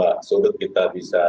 dari semua sudut kita bisa